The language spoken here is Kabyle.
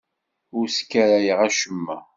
Ur sskarayeɣ acemma.